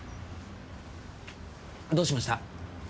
どうしました？